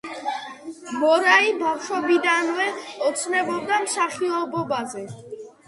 მორაი ბავშვობიდანვე ოცნებობდა მსახიობობაზე.